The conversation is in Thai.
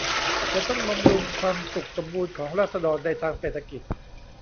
จะต้องบำรุงความสุขสมบูรณ์ของราษฎรในทางเศรษฐกิจ